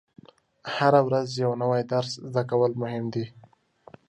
هره ورځ یو نوی درس زده کول مهم دي.